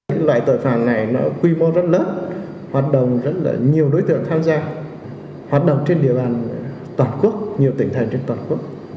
những loại tội phạm này nó quy mô rất lớn hoạt động rất là nhiều đối tượng tham gia hoạt động trên địa bàn toàn quốc nhiều tỉnh thành trên toàn quốc